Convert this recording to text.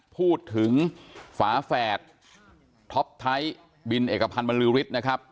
พูดถึงฝาแฝดท็อปไทยบินเอกพันธ์บรรลือฤทธิ์นะครับ